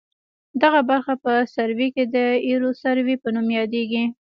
دغه برخه په سروې کې د ایروسروې په نوم یادیږي